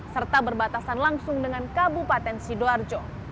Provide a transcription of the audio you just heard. serta berbatasan langsung dengan kabupaten sidoarjo